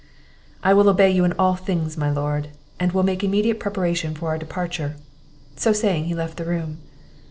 "I will obey you in all things, my lord; and will make immediate preparation for our departure." So saying, he left the room.